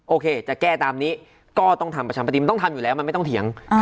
โอเคจะแก้ตามนี้ก็ต้องทำประชาปฏิมันต้องทำอยู่แล้วมันไม่ต้องเถียง